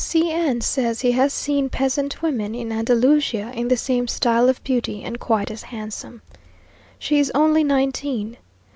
C n says he has seen peasant women in Andalusia in the same style of beauty, and quite as handsome. She is only nineteen.